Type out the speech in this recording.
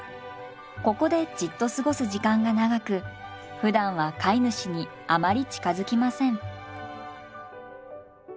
ここでじっと過ごす時間が長くふだんは飼い主にあまり近づきません。